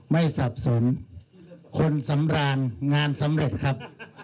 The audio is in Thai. สับสนคนสำราญงานสำเร็จครับ